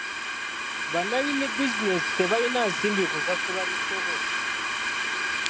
Ba nnannyini bizinesi tebayina nsimbi kusasula misolo.